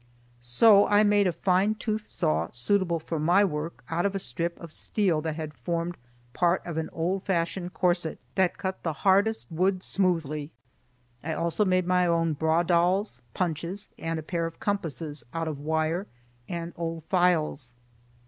So I made a fine tooth saw suitable for my work out of a strip of steel that had formed part of an old fashioned corset, that cut the hardest wood smoothly. I also made my own bradawls, punches, and a pair of compasses, out of wire and old files.